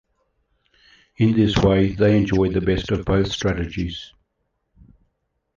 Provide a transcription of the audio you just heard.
In this way, they enjoy the best of both strategies.